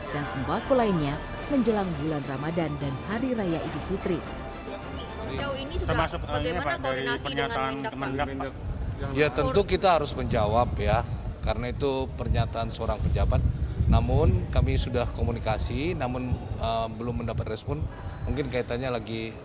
dan sembahku lainnya menjelang bulan ramadan dan hari raya idul fitri